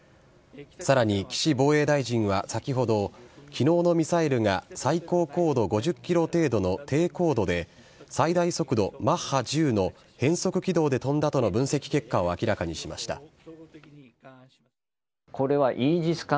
さらに、岸防衛大臣は先ほど、きのうのミサイルが最高高度５０キロ程度の低高度で、最大速度マッハ１０の変則軌道で飛んだとの分析結果を明らかにしました。